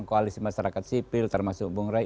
koalisi masyarakat sipil termasuk bung rai